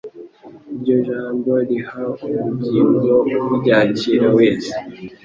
iryo jambo riha ubugingo uryakira wese.